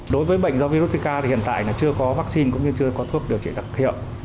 đối với bệnh do virus zika thì hiện tại là chưa có vaccine cũng như chưa có thuốc điều trị đặc hiệu